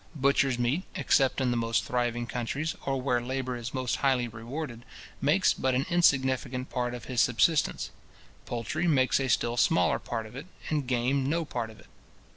Butcher's meat, except in the most thriving countries, or where labour is most highly rewarded, makes but an insignificant part of his subsistence; poultry makes a still smaller part of it, and game no part of it.